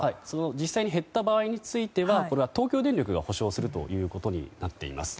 実際に減った場合は東京電力が補償することになっています。